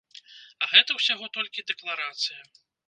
Але гэта ўсяго толькі дэкларацыя.